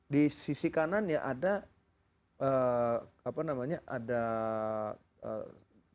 di sisi kanan ya ada apa namanya ada